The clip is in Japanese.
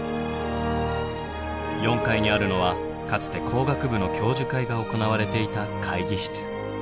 ４階にあるのはかつて工学部の教授会が行われていた会議室。